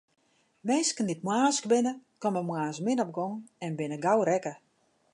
Minsken dy't moarnsk binne, komme moarns min op gong en binne gau rekke.